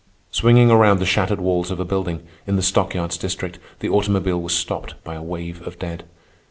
Swinging around the shattered walls of a building, in the stockyards district, the automobile was stopped by a wave of dead.